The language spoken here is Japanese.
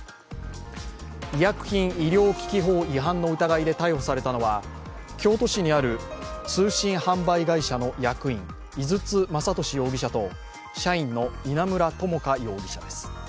医薬品医療機器法違反の疑いで逮捕されたのは、京都市にある通信販売会社の役員井筒雅俊容疑者と社員の稲村知香容疑者です。